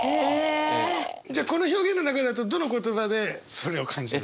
じゃあこの表現の中だとどの言葉でそれを感じるの？